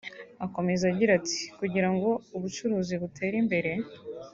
Akomeza agira ati “Kugira ngo ubucuruzi butere imbere